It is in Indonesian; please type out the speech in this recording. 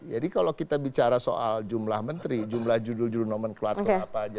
jadi kalau kita bicara soal jumlah menteri jumlah judul judul nomenklatur apa saja